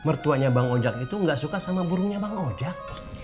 mertuanya bang ojak itu gak suka sama burungnya bang ojak